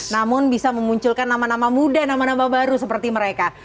namun bisa memunculkan nama nama muda nama nama baru seperti mereka